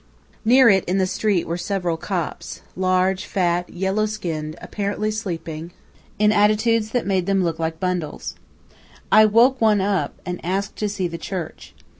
Near it, in the street, were several Copts large, fat, yellow skinned, apparently sleeping, in attitudes that made them look like bundles. I woke one up, and asked to see the church.